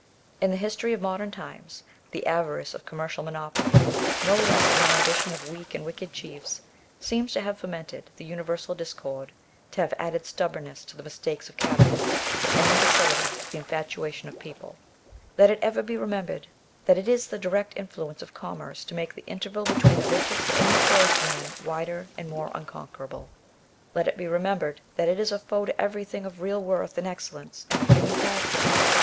In the history of modem times, the avarice of commercial monopoly, no less than the ambition of weak and wicked chiefs, seems to have fomented the universal discord, to have added stubbornness to the mistakes of cabinets, and indocility to the infatuation of the people. Let it ever be remembered, that it is the direct influence of commerce to make the interval between the richest and the poorest man wider and more unconquerable. Let it be remembered that it is a foe to every thing of real worth and excellence in the human character.